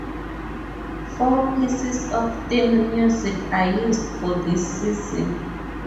Four pieces of theme music are used for this season.